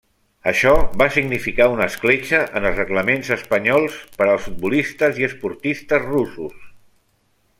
Això va significar una escletxa en els reglaments espanyols per als futbolistes i esportistes russos.